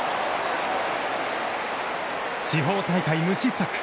地方大会無失策。